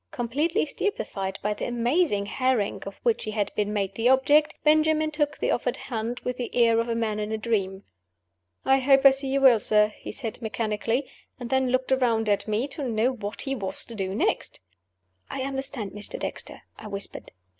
Completely stupefied by the amazing harangue of which he had been made the object, Benjamin took the offered hand, with the air of a man in a dream. "I hope I see you well, sir," he said, mechanically and then looked around at me, to know what he was to do next. "I understand Mr. Dexter," I whispered.